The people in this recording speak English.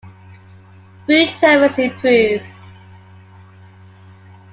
Food service improved.